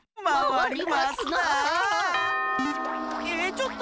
ちょっと！